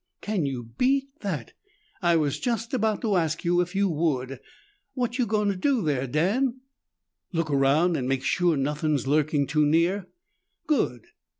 "Can you beat that? I was just about to ask you if you would! What you goin' to do there, Dan?" "Look around and make sure nothing's lurking too near." "Good!